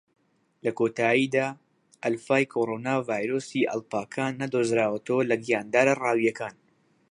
لە کۆتایدا، ئەلفای کۆرۆنا ڤایرۆسی ئەڵپاکان نەدۆزراوەتەوە لە گیاندارە ڕاویەکان.